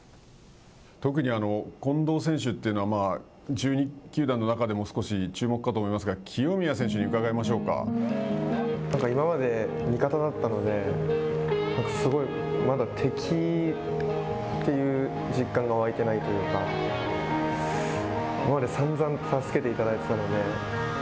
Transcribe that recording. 特に近藤選手というのは１２球団の中でも、少し注目かと思いますが、なんか今まで味方だったので、すごいまだ敵っていう実感が湧いていないというか、今までさんざん助けていただいてたので。